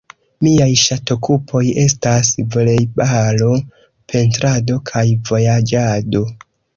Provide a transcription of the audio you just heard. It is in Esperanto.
Miaj ŝatokupoj estas volejbalo, pentrado kaj vojaĝado.